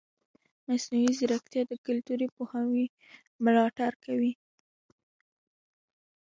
مصنوعي ځیرکتیا د کلتوري پوهاوي ملاتړ کوي.